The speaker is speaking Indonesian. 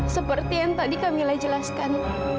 seperti yang tadi kamila jelaskan